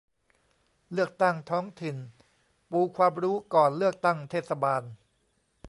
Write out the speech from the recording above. เลือกตั้งท้องถิ่น : ปูความรู้ก่อนเลือกตั้งเทศบาล